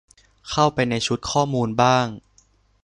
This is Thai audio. เข้าไปในชุดข้อมูลบ้าง